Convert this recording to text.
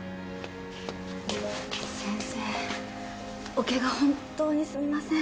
おケガ本っ当にすみません。